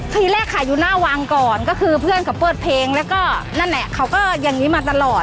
ทีแรกขายอยู่หน้าวังก่อนก็คือเพื่อนเขาเปิดเพลงแล้วก็นั่นแหละเขาก็อย่างนี้มาตลอด